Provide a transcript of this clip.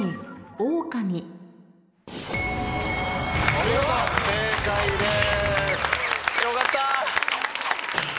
お見事正解です。